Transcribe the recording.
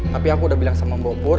tapi aku udah bilang sama mbak bur